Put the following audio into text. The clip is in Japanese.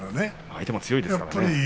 相手が強いですからね。